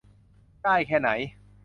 ได้แค่ไหน